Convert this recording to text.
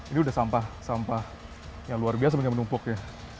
ini udah sampah sampah yang luar biasa menumpuk ya